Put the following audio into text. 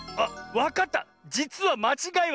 わかった！